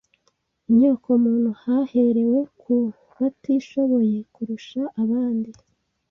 inyokomuntu haherewe ku batishoboye kurusha abandi